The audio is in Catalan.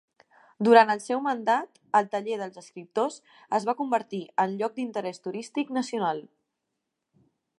Durant el seu mandat, el taller dels escriptors es va convertir en lloc d'interès turístic nacional.